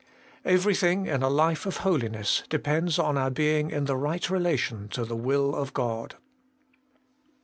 Every thing in a life of holiness depends upon our being in the right relation to the will of God.